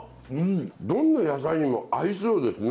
どんな野菜にも合いそうですね。